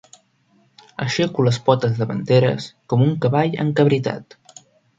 Aixeco les potes davanteres com un cavall encabritat.